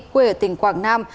quê ở tỉnh quảng nam